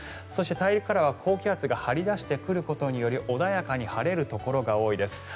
そして大陸からは高気圧が張り出してくることにより穏やかに晴れるところが多いです。